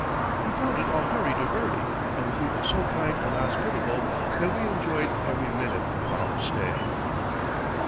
We found it all very diverting and the people so kind and hospitable that we enjoyed every minute of our stay.